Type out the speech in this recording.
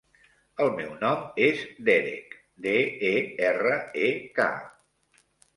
El meu nom és Derek: de, e, erra, e, ca.